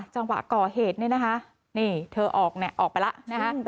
จังหวะก่อเหตุนี่นะคะเธอออกไปแล้ว